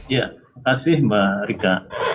ya makasih mbak rika